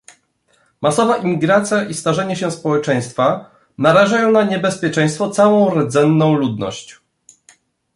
Masowa imigracja i starzenie się społeczeństwa narażają na niebezpieczeństwo całą rdzenną ludność